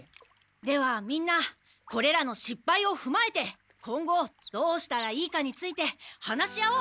ではみんなこれらの失敗をふまえて今後どうしたらいいかについて話し合おう！